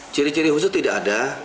ciri ciri khusus tidak ada